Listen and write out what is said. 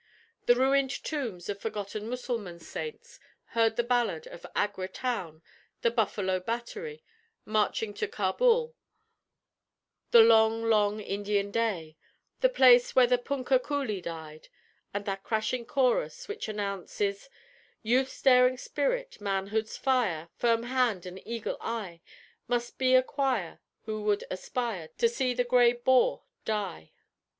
The ruined tombs of forgotten Mussulman saints heard the ballad of "Agra Town," "The Buffalo Battery," "Marching to Cabul," "The long, long Indian Day," "The Place Where the Punkah Coolie Died," and that crashing chorus which announces "Youth's daring spirit, manhood's fire, Firm hand, and eagle eye Must be acquire who would aspire To see the gray boar die."